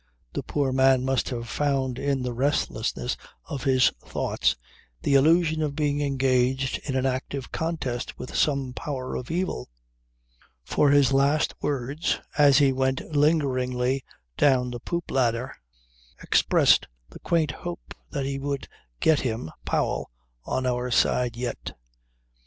The poor man must have found in the restlessness of his thoughts the illusion of being engaged in an active contest with some power of evil; for his last words as he went lingeringly down the poop ladder expressed the quaint hope that he would get him, Powell, "on our side yet."